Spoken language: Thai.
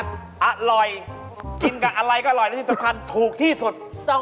อร่อยกินกับอะไรก็อร่อยและที่สำคัญถูกที่สุด